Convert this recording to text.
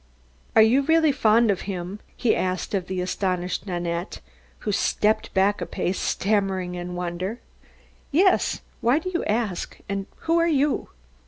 "Are you really fond of him?" he asked of the astonished Nanette, who stepped back a pace, stammering in answer: "Yes. Why do you ask? and who are you?"